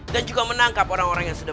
dan juga menangkap orang orang yang sedih